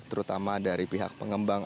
terutama dari pihak pengembang